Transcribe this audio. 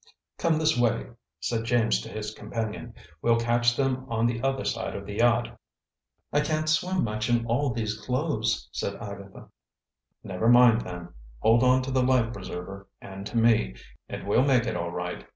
"Come this way," said James to his companion. "We'll catch them on the other side of the yacht." "I can't swim much in all these clothes," said Agatha. "Never mind, then. Hold on to the life preserver and to me, and we'll make it all right."